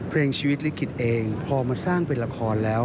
เพลงชีวิตลิขิตเองพอมาสร้างเป็นละครแล้ว